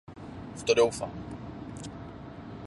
V to doufám.